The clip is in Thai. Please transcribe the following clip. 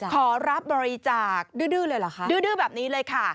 ขอรับบริจาคดื้อเลยเหรอคะดื้อแบบนี้เลยค่ะ